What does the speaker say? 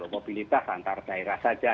mobilitas antar daerah saja